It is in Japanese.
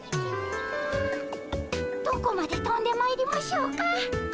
どこまでとんでまいりましょうか？